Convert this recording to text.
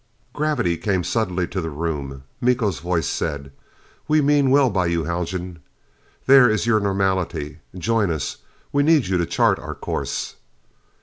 Gravity came suddenly to the room. Miko's voice said: "We mean well by you, Haljan. There is your normality. Join us. We need you to chart our course."